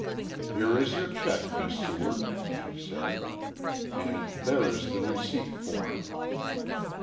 "Here is your cheque, Miss Seward," she said, "and there is the receipt form."